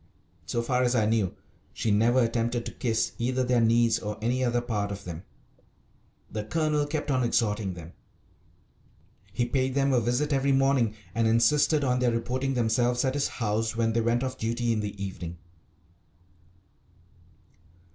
So far as I knew she never attempted to kiss either their knees or any other part of them. The Colonel kept on exhorting them. He paid them a visit every morning, and insisted on their reporting themselves at his house when they went off duty in the evening.